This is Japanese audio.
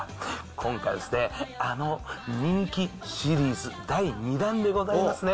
今回は、あの人気シリーズ第２弾でございますね。